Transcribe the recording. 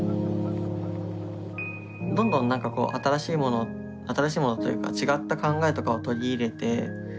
どんどんなんかこう新しいもの新しいものというか違った考えとかを取り入れて。